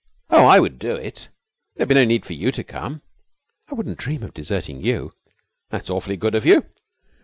'Oh, I would do it. There would be no need for you to come.' 'I wouldn't dream of deserting you.' 'That's awfully good of you.'